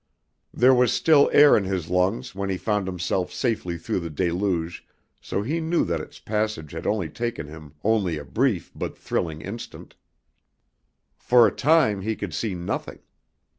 There was still air in his lungs when he found himself safely through the deluge so he knew that its passage had taken him only a brief but thrilling instant. For a time he could see nothing.